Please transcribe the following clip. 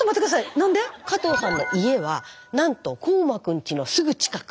加藤さんの家はなんと煌真くんちのすぐ近く。